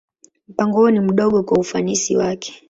Mpango huo ni mdogo kwa ufanisi wake.